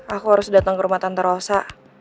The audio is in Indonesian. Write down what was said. aku harus datang ke rumah tanta rosa